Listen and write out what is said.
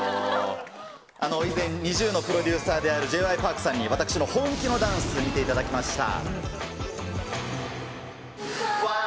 以前、ＮｉｚｉＵのプロデューサーであるＪ．Ｙ．Ｐａｒｋさんに、私の本気のダンス、見ていただきました。